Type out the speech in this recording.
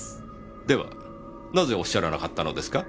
ではなぜおっしゃらなかったのですか？